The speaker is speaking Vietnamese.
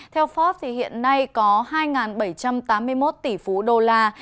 theo forbes hiện nay có hai bảy trăm tám mươi một tỷ phú đô la